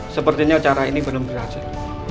sepertinya cara ini belum berhasil